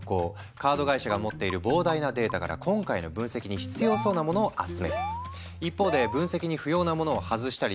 カード会社が持っている膨大なデータから今回の分析に必要そうなものを集める。